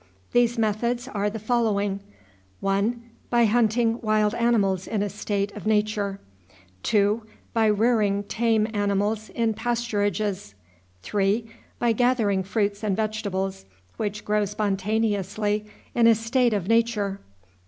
These methods are the following: 1. By hunting wild animals in a state of nature. 2. By rearing tame animals in pasturages. 3. By gathering fruits and vegetables which grow spontaneously in a state of nature.